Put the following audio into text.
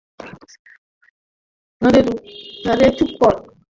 আরে চুপ কর।